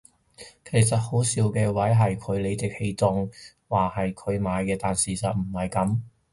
其實好笑嘅位係佢理直氣壯話係佢買嘅但事實唔係噉